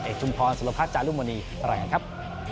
เอกชุมพรสุรพักษณ์จารุมณีตลาดกันครับ